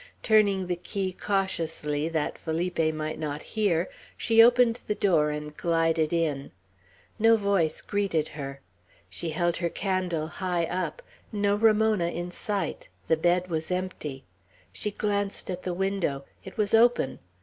Turning the key cautiously, that Felipe might not hear, she opened the door and glided in. No voice greeted her; she held her candle high up; no Ramona in sight; the bed was empty. She glanced at the window. It was open.